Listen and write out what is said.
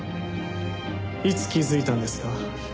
いつ気づいたんですか？